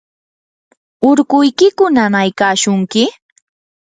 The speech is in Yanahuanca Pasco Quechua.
¿urkuykiku nanaykashunki?